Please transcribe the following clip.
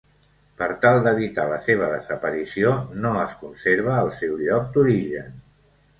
Per tal d'evitar la seva desaparició, no es conserva al seu lloc d'origen.